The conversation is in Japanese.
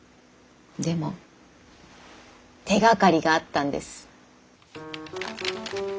でも手がかりがあったんです。